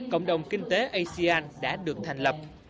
cộng đồng kinh tế asean đã được thành lập